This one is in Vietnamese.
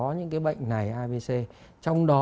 những cái bệnh này abc trong đó